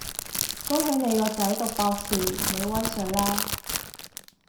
恭喜你個仔讀博士，你威水啦